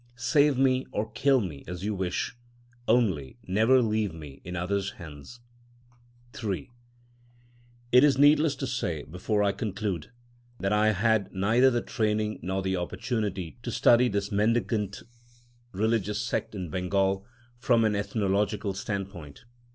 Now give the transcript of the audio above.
Save me or kill me as you wish, only never leave me in others' hands. III It is needless to say, before I conclude, that I had neither the training nor the opportunity to study this mendicant religious sect in Bengal from an ethnological standpoint.